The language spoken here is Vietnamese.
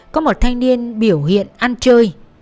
có một thanh niên biểu hiện ăn chơi